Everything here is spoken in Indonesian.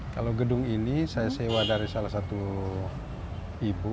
kalau gedung ini saya sewa dari salah satu ibu